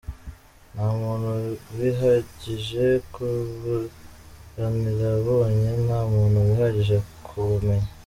Nta muntu wihagije ku bunararibonye, nta muntu wihagije ku bumenyi.